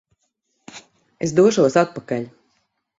Es došos atpakaļ!